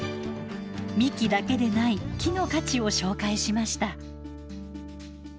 幹だけでない木の価値を紹介しました。